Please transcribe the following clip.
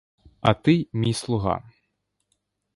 А ти — мій слуга.